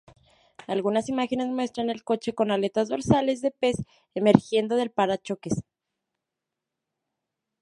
Algunas imágenes muestran el coche con aletas dorsales de pez emergiendo del parachoques.